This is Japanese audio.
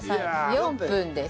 ４分です。